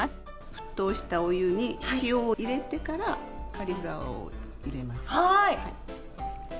沸騰したお湯に塩を入れてからカリフラワーを入れます。